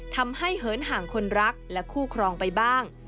เหินห่างคนรักและคู่ครองไปบ้าง